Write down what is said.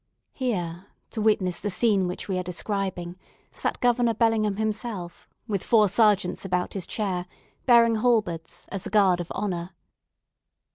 Here, to witness the scene which we are describing, sat Governor Bellingham himself with four sergeants about his chair, bearing halberds, as a guard of honour.